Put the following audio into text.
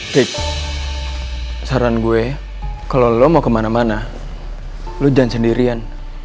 tips saran gue kalau lo mau kemana mana lo jangan sendirian